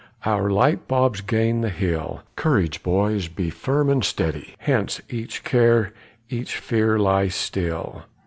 our light bobs gain the hill; Courage, boys, be firm and steady, Hence each care, each fear lie still.